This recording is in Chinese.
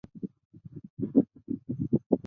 丰洲是东京都江东区的町名。